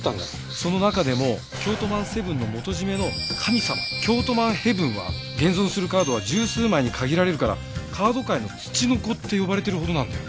その中でもキョートマン７の元締の神様キョートマンヘヴンは現存するカードは十数枚に限られるから「カード界のツチノコ」って呼ばれてるほどなんだよ。